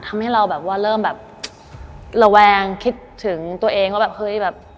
ทำให้เราแบบว่าเริ่มแบบระแวงคิดถึงตัวเองว่าแบบเฮ้ยแบบ